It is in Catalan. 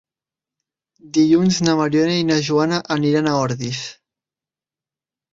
Dilluns na Mariona i na Joana aniran a Ordis.